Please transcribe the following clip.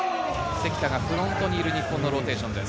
関田がフロントにいる日本のローテーションです。